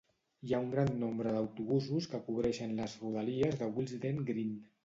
Hi ha un gran nombre d'autobusos que cobreixen les rodalies de Willesden Green.